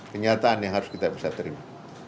kenyataan yang harus kita bisa terima